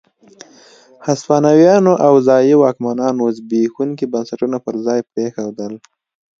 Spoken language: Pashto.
هسپانويانو او ځايي واکمنانو زبېښونکي بنسټونه پر ځای پرېښودل.